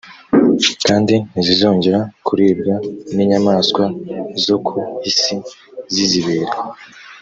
kandi ntizizongera kuribwa n inyamaswa zo ku isi zizibera